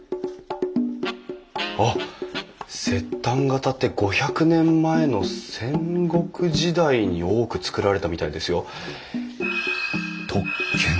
あっ摂丹型って５００年前の戦国時代に多く造られたみたいですよ。